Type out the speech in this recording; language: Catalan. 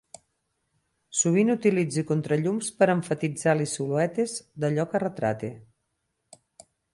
Sovint utilitza contrallums per a emfatitzar les siluetes d'allò que retrata.